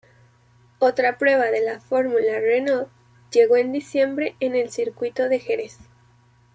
Otra prueba de la Fórmula Renault llegó en diciembre en el Circuito de Jerez.